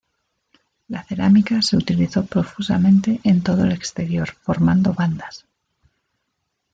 La cerámica se utilizó profusamente en todo el exterior formando bandas.